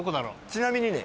ちなみにね。